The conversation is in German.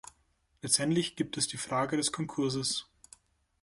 Letztendlich gibt es die Frage des Konkurses.